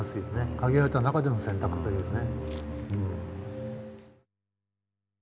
限られた中での選択というね。